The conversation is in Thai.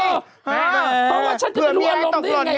เพราะว่าฉันจะรวมอารมณ์ได้ไง